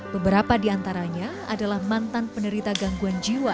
beberapa diantaranya adalah mantan penerita gangguan jiwa